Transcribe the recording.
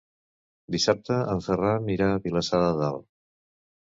Dissabte en Ferran irà a Vilassar de Dalt.